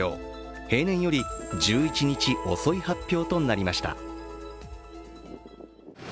平年より１１日遅い発表となりまいｓた。